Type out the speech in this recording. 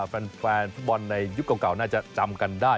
แฟนฟุตบอลในยุคเก่าน่าจะจำกันได้